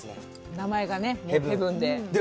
名前がね、ヘブンで。